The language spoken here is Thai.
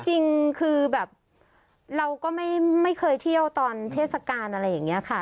จริงคือแบบเราก็ไม่เคยเที่ยวตอนเทศกาลอะไรอย่างนี้ค่ะ